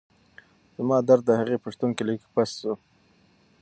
زما درد د هغې په شتون کې لږ پڅ شو.